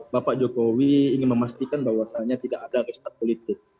bapak jokowi ingin memastikan bahwasannya tidak ada restart politik